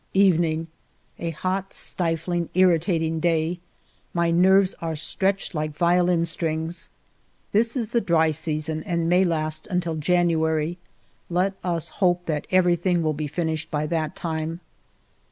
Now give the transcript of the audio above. Evening, A heavy, stifling, irritating day. My nerves are stretched like violin strings. This is the dry season and may last until January. Let us hope that everything will be finished by that time.